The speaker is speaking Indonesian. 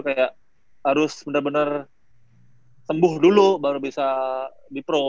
kayak harus benar benar sembuh dulu baru bisa di pro